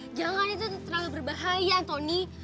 eh jangan itu itu terlalu berbahaya tony